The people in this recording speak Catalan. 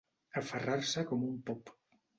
Aferrar-se com un pop.